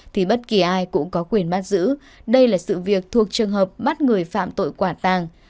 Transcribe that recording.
thì bất kỳ ai cũng có quyền bắt giữ đây là sự việc thuộc trường hợp bắt người phạm tội quả tàng